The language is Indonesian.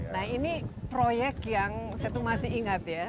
nah ini proyek yang saya tuh masih ingat ya